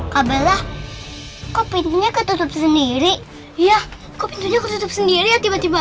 kabelah kok pintunya ketutup sendiri iya kok pintunya ketutup sendiri ya tiba tiba